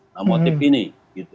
nah motif ini gitu